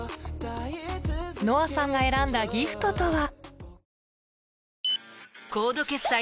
ＮＯＡさんが選んだギフトとは？